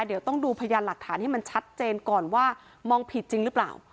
เดี๋ยวต้องดูพยานหลักฐานให้มันชัดเจนก่อนว่ามองผิดจริงหรือเปล่า